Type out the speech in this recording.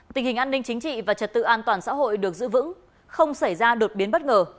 tình hình an ninh chính trị và trật tự an toàn xã hội được giữ vững không xảy ra đột biến bất ngờ